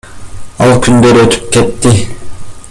Ал күндөр өтүп кетти.